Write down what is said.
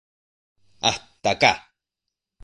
Hasta ca.